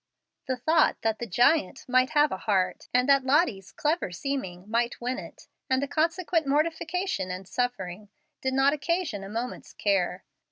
The thought that the "giant" might have a heart, and that Lottie's clever seeming might win it, and the consequent mortification and suffering, did not occasion a moment's care.